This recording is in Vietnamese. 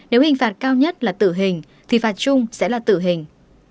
nếu hình phạt cao nhất là tử hình thì phạt chung sẽ là tử hình